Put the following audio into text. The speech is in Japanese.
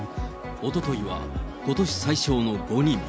おとといは、ことし最少の５人。